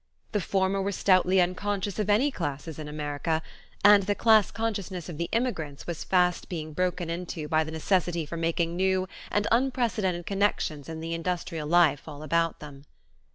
The former were stoutly unconscious of any classes in America, and the class consciousness of the immigrants was fast being broken into by the necessity for making new and unprecedented connections in the industrial life all about them.